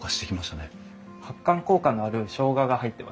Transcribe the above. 発汗効果のあるしょうがが入ってます。